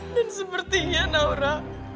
dan sepertinya naura